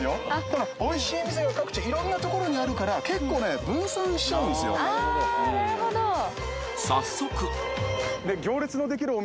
ただおいしい店は各地色んなところにあるから結構ね分散しちゃうんですよああ